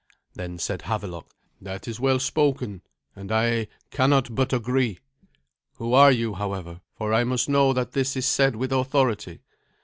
Then said Havelok, "That is well spoken, and I cannot but agree. Who are you, however, for I must know that this is said with authority?"